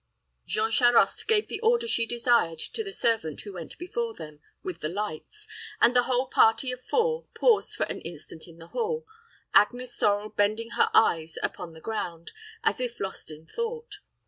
Jean Charost gave the order she desired to the servant who went before them with the lights, and the whole party of four paused for an instant in the hall, Agnes Sorel bending her eyes upon the ground, as if lost in thought.